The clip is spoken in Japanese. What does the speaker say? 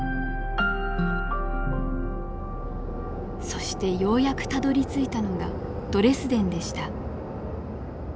そしてようやくたどりついたのがドレスデンでした。